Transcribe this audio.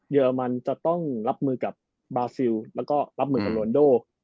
เยอรมันจะต้องรับมือกับบราซิลและรอนด้ว